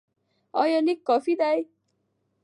ایا لیک کافي دی؟